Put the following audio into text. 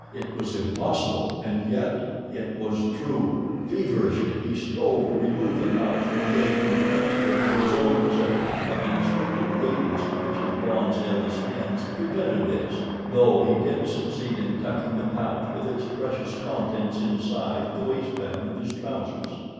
It was impossible, and yet—it was true! Feverishly he strove to remove the pouch from the ape and transfer it to his own possession; but the restricted radius to which his bonds held his hands prevented this, though he did succeed in tucking the pouch with its precious contents inside the waist band of his trousers.